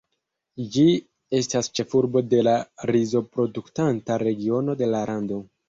Ĝi estas ĉefurbo de la rizo-produktanta regiono de la lando.